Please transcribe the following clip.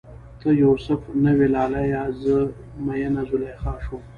ته یو سف نه وی لالیه، زه میینه زلیخا شوم